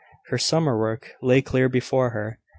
Her summer work lay clear before her.